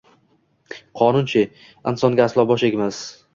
qonun-chi? Insonga aslo bosh egmas…